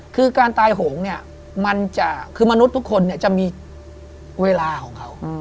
คือการตายโหงมันจะคือมนุษย์ทุกคนจะมีเวลาของเขา